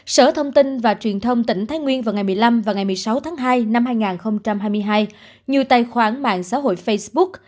sở thông tin và truyền thông tỉnh thái nguyên vào ngày một mươi năm và ngày một mươi sáu tháng hai năm hai nghìn hai mươi hai nhiều tài khoản mạng xã hội facebook